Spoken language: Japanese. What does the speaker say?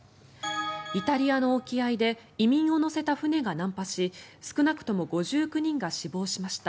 イタリアの沖合で移民を乗せた船が難破し少なくとも５９人が死亡しました。